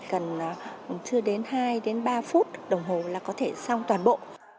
cần chưa đến hai đến ba phút đồng hồ là có thể xong toàn bộ